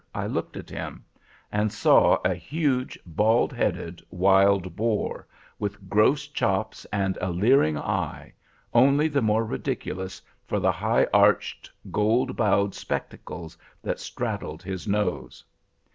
I looked at him, and saw a huge bald headed wild boar, with gross chops and a leering eye—only the more ridiculous for the high arched, gold bowed spectacles, that straddled his nose.